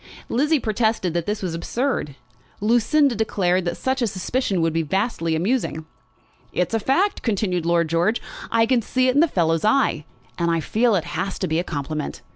Lizzie protested that this was absurd. Lucinda declared that such a suspicion would be vastly amusing. "It's a fact," continued Lord George. "I can see it in the fellow's eye, and I feel it to be a compliment.